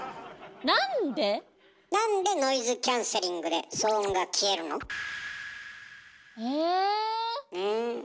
なんで⁉なんでノイズキャンセリングで騒音が消えるの？え？え？